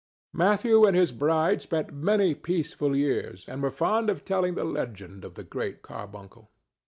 Matthew and his bride spent many peaceful years and were fond of telling the legend of the Great Carbuncle.